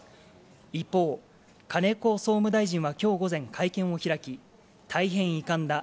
一方、金子総務大臣はきょう午前、会見を開き、大変遺憾だ。